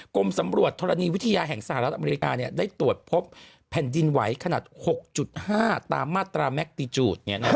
กรมสำรวจธรณีวิทยาแห่งสหรัฐอเมริกาได้ตรวจพบแผ่นดินไหวขนาด๖๕ตามมาตราแมคติจูด